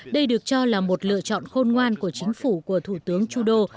đây được cho là một lựa chọn khôn ngoan của chính phủ của thủ tướng trudeau